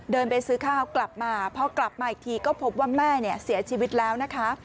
เดินไปซื้อข้าวกลับมาพอกลับมาอีกทีก็พบว่าแม่เนี่ยเสียชีวิตแล้วนะคะ